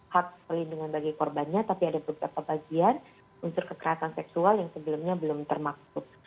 hak pelindungan bagi korbannya tapi ada beberapa bagian unsur kekerasan seksual yang sebelumnya belum termaksud